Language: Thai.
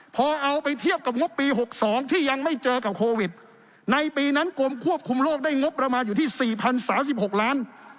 พอเอาไปเทียบกับงบปี๖๒ที่ยังไม่เจอกับโควิดในปีนั้นกรมควบคุมโรคได้งบประมาณอยู่ที่๔๐๓๖ล้าน